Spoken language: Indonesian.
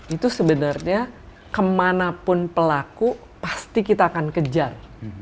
itu sebenarnya kemanapun pelaku pasti kita akan kejar